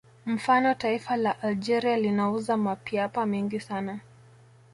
Mfano taifa la Algeria linauza mapiapa mengi sana